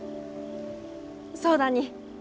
そうだに。